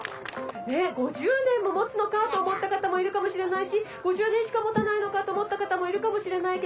５０年も持つのかと思った方もいるかもしれないし５０年しか持たないのかと思った方もいるかもしれないけど。